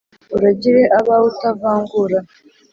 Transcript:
Uragire abawe utavangura